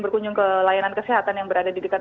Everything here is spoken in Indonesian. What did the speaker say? berkunjung ke layanan kesehatan yang berada di dekat